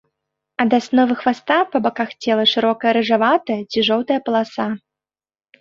Ад асновы хваста па баках цела шырокая рыжаватая ці жоўтая паласа.